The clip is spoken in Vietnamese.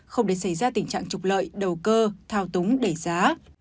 không để xảy ra tình trạng trục lợi đầu cơ thao túng đẩy giá